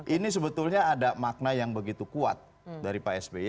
ini sebetulnya ada makna yang begitu kuat dari pak sby